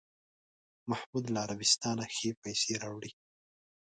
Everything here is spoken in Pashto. محمود له عربستانه ښې پسې راوړې.